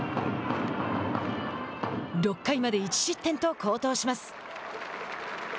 ６回まで１失点と好投します。